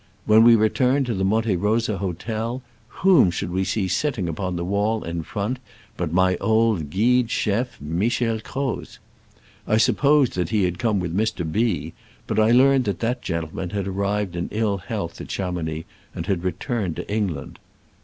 When we returned to the Monte Rosa hotel, whom should we see sitting upon the wall in front but my old guide chef, Michel Croz ! I supposed that he had come with Mr. B , but I learned that that gentleman had arrived in ill health at Chamounix, and had returned to Eng land.